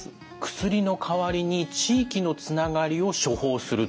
薬の代わりに地域のつながりを「処方」すると。